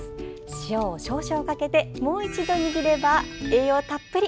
塩を少々かけて、もう一度握れば栄養たっぷり！